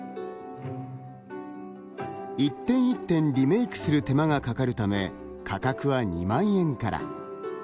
１点１点リメイクする手間がかかるため、価格は２万円から。